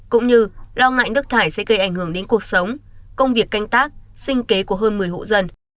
cũng như lo ngại nước thải sẽ gây ảnh hưởng đến cuộc sống công việc canh tác sinh kế của hơn một mươi hộ dân